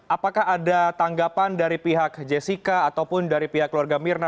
apakah ada tanggapan dari pihak jessica ataupun dari pihak keluarga mirna